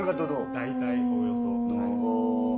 大体おおよそ。